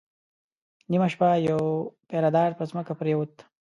نيمه شپه يو پيره دار پر ځمکه پرېووت.